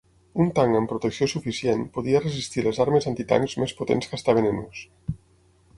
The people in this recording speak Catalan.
Un tanc amb protecció suficient podia resistir les armes antitancs més potents que estaven en ús.